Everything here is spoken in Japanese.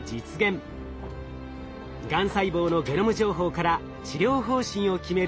がん細胞のゲノム情報から治療方針を決める